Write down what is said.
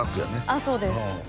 ああそうです